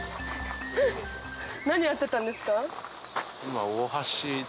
何やってたんですか？